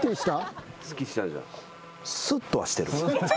スッとはしてる。